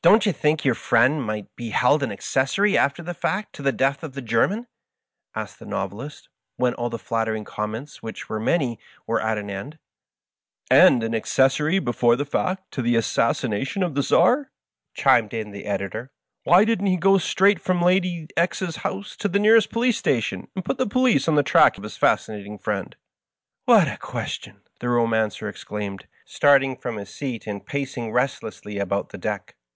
" Don't yon think yonr friend might be held an accessory after the fact to the death of the German ?" asked the Novelist, when all the flattering comments, which were many, were at an end. *^And an accessory before the fact to the assassination of the Czar? " chimed in the Editor. " Why didn't he go straight from Lady ^'s house to the nearest police station and put the police on the track of his ' Fascinating Friend '?"" What a question !" the Bomancer exclaimed, starting from his seat and pacing rest lessly about the deck.